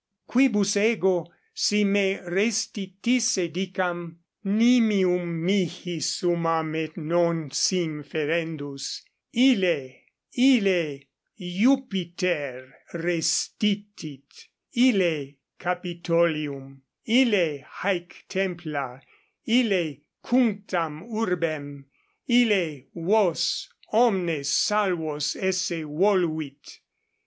Quibus ego si me restitisse dicam, nimium mihi sumam et non sim ferendus: ille, ille Iuppiter restitit; ille Capitolium, ille haec templa, ille cunctam urbem, ille vos omnes salvos esse voluit.